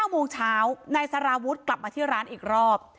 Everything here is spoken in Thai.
๙โมงเช้านายสารวุฒิกลับมาที่ร้านอีกรอบ